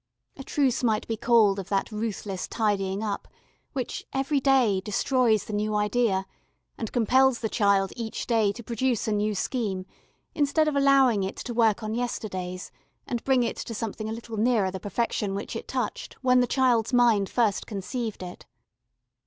A truce might be called of that ruthless tidying up which, every day, destroys the new idea, and compels the child each day to produce a new scheme instead of allowing it to work on yesterday's and bring it to something a little nearer the perfection which it touched when the child's mind first conceived it.